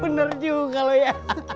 bener juga lo ya